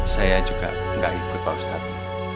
saya juga tidak ikut pak ustadz